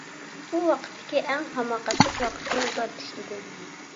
بۇ ۋاقىتتىكى ئەڭ ھاماقەتلىك ۋاقىتنى ئۇزارتىش ئىدى.